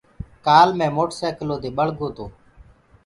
ڪآل مي موٽر سيڪلو دي ٻݪ گو تو۔